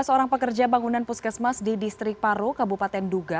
tiga belas orang pekerja bangunan puskesmas di distrik paro kabupaten duga